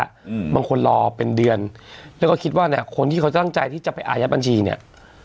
อืมบางคนรอเป็นเดือนแล้วก็คิดว่าเนี้ยคนที่เขาตั้งใจที่จะไปอายัดบัญชีเนี้ย